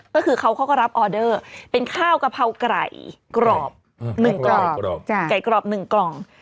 ก็คือเขาก็รับออเดอร์เป็นข้าวกะเพราไก่กรอบ๑กล่อง